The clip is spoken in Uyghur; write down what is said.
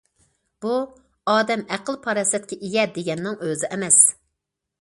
بۇ، ئادەم ئەقىل- پاراسەتكە ئىگە دېگەننىڭ ئۆزى ئەمەس.